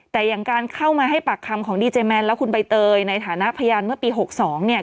แต่อย่างการเข้ามาให้ปากคำของดีเจแมนและคุณใบเตยในฐานะพยานเมื่อปี๖๒เนี่ย